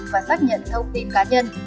và xác nhận thông tin cá nhân